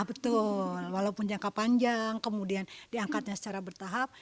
betul walaupun jangka panjang kemudian diangkatnya secara bertahap